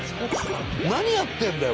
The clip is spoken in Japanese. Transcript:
何やってるんだよ